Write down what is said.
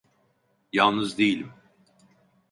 Yalnız değilim.